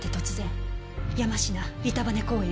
山科板羽公園